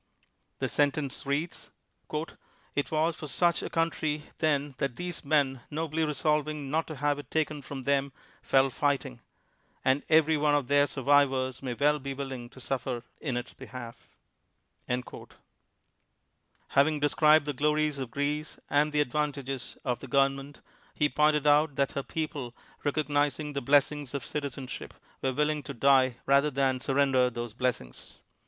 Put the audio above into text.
The sentence reads: '' It was for such a country then that these men, nobly resolving not to have it taken from them, fell fighting; and every one of their survivors may well be willing to suffer in its behalf." Having described the glories of Greece and the advantages of the government, he pointed out that her people, recognizing the blessings of citi zenship, were willing to die rather than surren der those blessings.